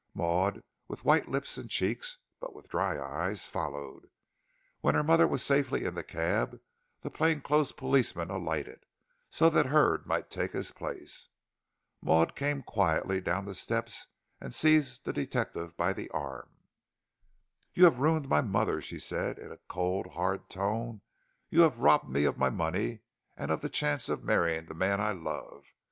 Maud, with white lips and cheeks, but with dry eyes, followed. When her mother was safely in the cab, the plain clothes policeman alighted, so that Hurd might take his place. Maud came quietly down the steps and seized the detective by the arm. "You have ruined my mother," she said in a cold, hard tone; "you have robbed me of my money and of the chance of marrying the man I love.